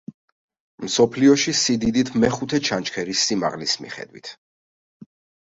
მსოფლიოში სიდიდით მეხუთე ჩანჩქერი სიმაღლის მიხედვით.